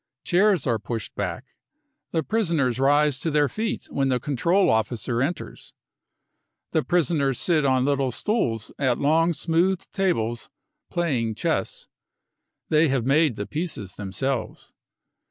Chairs are pushed back. The prisoners rise to their feet when the control officer enters. 6£ The prisoners sit on little stools at long smooth tables, playing chess. They have made the pieces themselves.